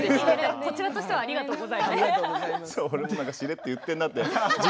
こちらとしてはありがとうございます